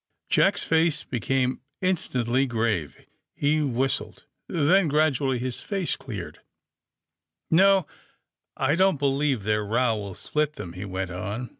Jack's face became instantly grave; he whis tled. Then, gradually, his face cleared, *^No; I don't believe their row will split them," he went on.